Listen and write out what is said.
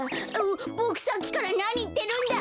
ボクさっきからなにいってるんだ。